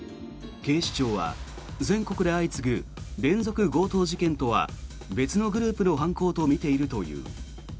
警視庁は全国で相次ぐ連続強盗事件とは別のグループの犯行とみているという。